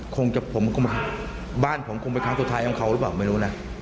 ผมก็บ้านผมคงเป็นครั้งสุดท้ายของเขาหรือเปล่าไม่รู้นะ